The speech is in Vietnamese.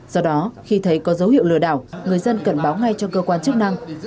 do đó khi thấy có dấu hiệu lừa đảo người dân cần báo ngay cho cơ quan chức năng